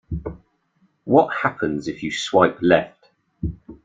What happens if you swipe left?